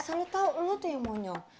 bisa lu tau lu tuh yang monyong